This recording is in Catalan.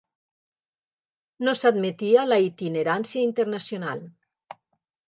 No s'admetia la itinerància internacional.